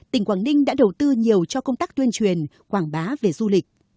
tỉnh quảng ninh đã đầu tư nhiều cho công tác tuyên truyền quảng bá về du lịch